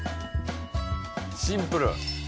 シンプル。